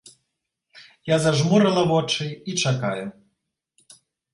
Я зажмурыла вочы і чакаю.